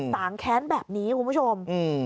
สางแค้นแบบนี้คุณผู้ชม